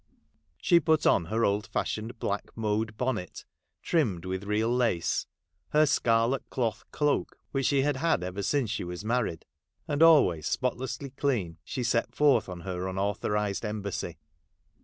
She put on her old fashioned black mode bonnet, trimmed with real lace ; her scarlet cloth cloak, which she had had ever since she was married ; and always spotlessly clean, she set forth" on her unauthorised embassy.